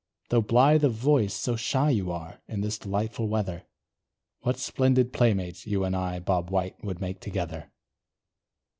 Though blithe of voice, so shy you are, In this delightful weather; What splendid playmates, you and I, Bob White, would make together.